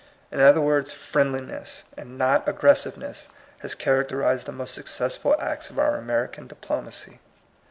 In other words, friendliness, and not aggressiveness, has characterized the most successful acts of our American diplomacy.